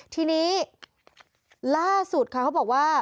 ทีนี้ล่าสุดค่ะเขาบอกว่า